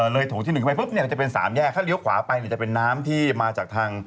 เลยถูกที่หนึ่งไปปุ๊บเนี่ยจะเป็นสามแยกถ้าเลี้ยวขวาไปเนี่ยจะเป็นน้ำที่มาจากทาง